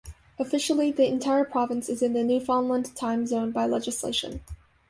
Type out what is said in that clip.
Officially, the entire province is in the Newfoundland Time Zone by legislation.